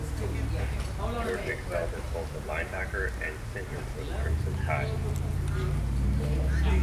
Jordan excelled as both a linebacker and center for the Crimson Tide.